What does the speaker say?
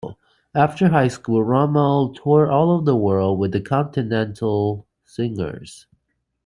After high school Rummell toured all over the world with the Continental Singers.